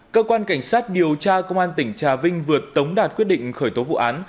cơ quan cảnh sát điều tra công an tỉnh trà vinh vừa tống đạt quyết định khởi tố vụ án